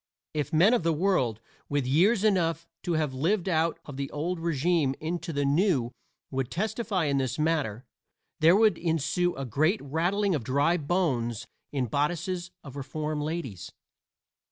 If men of the world with years enough to have lived out of the old régime into the new would testify in this matter there would ensue a great rattling of dry bones in bodices of reform ladies.